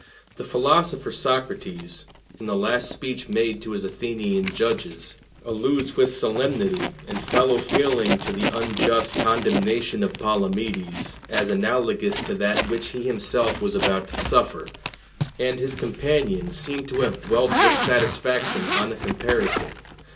The philosopher Socrates, in the last speech made to his Athenian judges, alludes with solemnity and fellow feeling to the unjust condemnation of Palamedes as analogous to that which he himself was about to suffer; and his companions seem to have dwelt with satisfaction on the comparison.